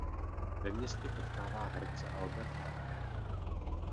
Ve městě potkává herce Alberta.